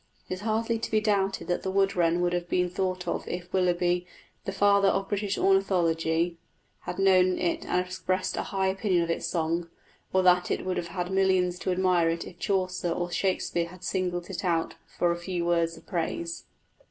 It is hardly to be doubted that the wood wren would have been thought more of if Willughby, the Father of British Ornithology, had known it and expressed a high opinion of its song; or that it would have had millions to admire it if Chaucer or Shakespeare had singled it out for a few words of praise.